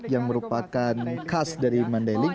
yang merupakan khas dari mandailing